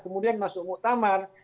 kemudian masuk muktamar